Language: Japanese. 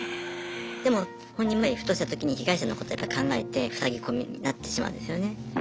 でも本人もふとしたときに被害者のことやっぱ考えてふさぎ込みになってしまうんですよね。